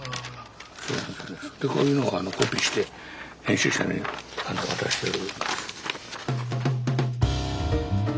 こういうのをコピーして編集者に渡してる。